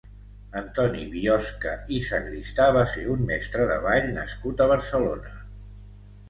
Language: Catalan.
Antoni Biosca i Sagristà va ser un mestre de ball nascut a Barcelona.